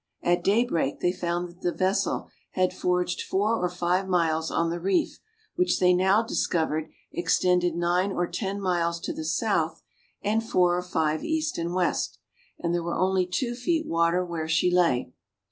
At day break they found that the vessel had forged four or five miles on the reef, which they now discovered extended nine or ten miles to the south, and four or five east and west; and there were only two feet water where she lay.